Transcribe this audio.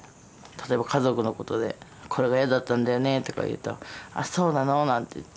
例えば家族のことで「これが嫌だったんだよね」とか言うと「あそうなの？」なんて言って。